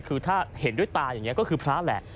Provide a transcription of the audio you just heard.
คือถ้าเห็นด้วยตาอย่างนี้ก็คือพระแหละ